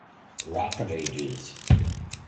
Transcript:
Rock of ages.